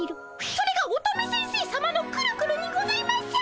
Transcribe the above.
それが乙女先生さまのくるくるにございます！